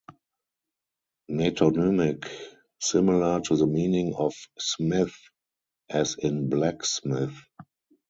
Metonymic: Similar to the meaning of "smith" as in blacksmith.